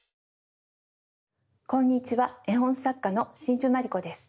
こんにちは絵本作家の真珠まりこです。